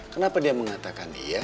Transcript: kenapa dia mengatakan iya